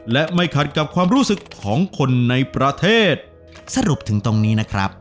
และไม่ขัดกับความรู้สึกของคนในประเทศสรุปถึงตรงนี้นะครับ